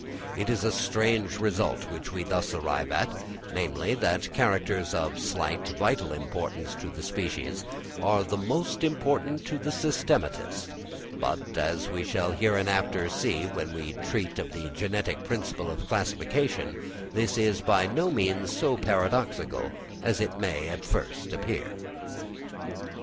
It is a strange result which we thus arrive at, namely, that characters of slight vital importance to the species, are the most important to the systematist; but, as we shall hereafter see when we treat of the genetic principle of classification, this is by no means so paradoxical as it may at first appear.